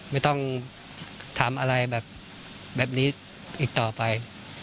ไม่ต้องทำอะไรแบบนี้อีกต่อไป